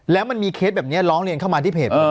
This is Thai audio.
แล้วมันมีเคสแบบนี้ร้องเรียนเข้ามาที่เพจ